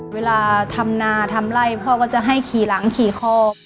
เวลาทำนาทำไล่พ่อก็จะให้ขี่หลังขี่คอ